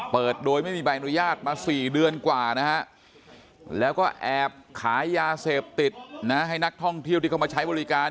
เปิดโดยไม่มีใบอนุญาตมา๔เดือนกว่านะฮะแล้วก็แอบขายยาเสพติดนะให้นักท่องเที่ยวที่เข้ามาใช้บริการ